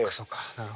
なるほど。